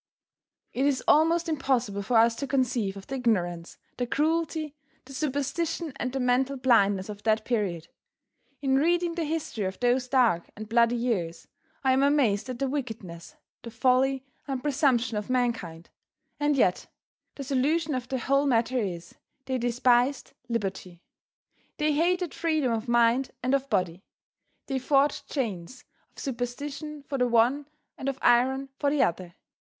It is almost impossible for us to conceive of the ignorance, the cruelty, the superstition and the mental blindness of that period. In reading the history of those dark and bloody years, I am amazed at the wickedness, the folly and presumption of mankind. And yet, the solution of the whole matter is, they despised liberty; they hated freedom of mind and of body. They forged chains of superstition for the one and of iron for the other.